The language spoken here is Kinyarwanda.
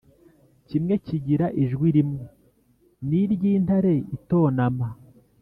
kimwe kigira ijwi rimwe niryintare itonama